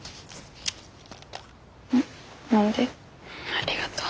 ありがとう。